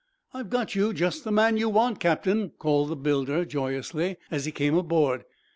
"I've got you just the man you want, Captain," called the builder, joyously, as he came aboard.